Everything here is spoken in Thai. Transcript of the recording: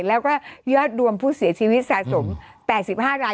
แล้วก็ยอดรวมผู้เสียชีวิตสะสม๘๕ราย